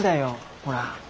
ほら。